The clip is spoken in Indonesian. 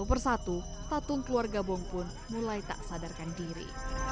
satu persatu tatung keluarga bong pun mulai tak sadarkan diri